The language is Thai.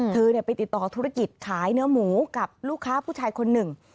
เธอไปติดต่อธุรกิจขายเนื้อหมูกับลูกค้าผู้ชายคนหนึ่ง